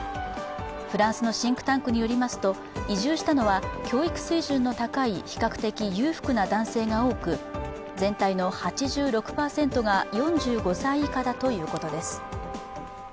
フランスのシンクタンクによりますと、移住したのは教育水準の高い、比較的裕福な男性が多く全体の８６％が４５歳以下だということです。